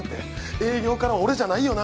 営業からは俺じゃないよな？